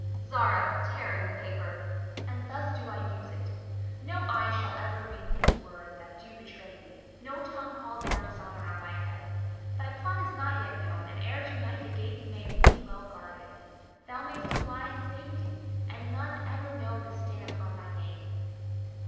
Zara [tearing the paper]. And thus do I use it! No eye shall ever read these words that do betray thee; no tongue call down dishonor on thy head. Thy plot is not yet known, and ere to night the gates may be well guarded. Thou mayst fly in safety, and none ever know the stain upon thy name.